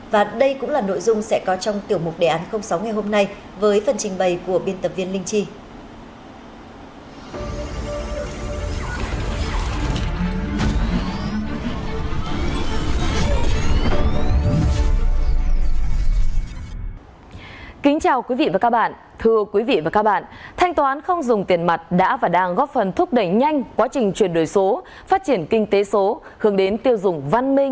và đây cũng là nội dung sẽ có trong tiểu mục đề án sáu ngày hôm nay với phần trình bày của biên tập viên linh trì